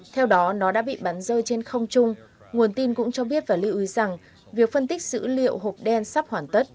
theo đó nó đã bị bắn rơi trên không chung nguồn tin cũng cho biết và lưu ý rằng việc phân tích dữ liệu hộp đen sắp hoàn tất